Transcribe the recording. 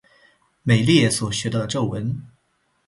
美列所学到的咒文。